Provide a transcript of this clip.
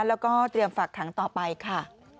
แล้วก็เตรียมฝากขังต่อไปค่ะ